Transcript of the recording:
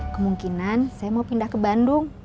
kemungkinan saya mau pindah ke bandung